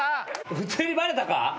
普通にバレたか？